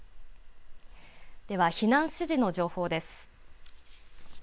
では、避難指示の情報です。